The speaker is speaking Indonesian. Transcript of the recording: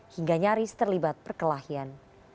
hingga nyaris terlibat perkelahian